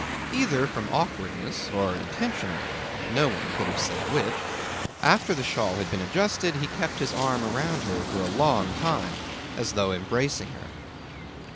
Either from awkwardness or intentionally (no one could have said which) after the shawl had been adjusted he kept his arm around her for a long time, as though embracing her.